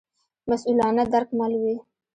مسوولانه درک مل وي.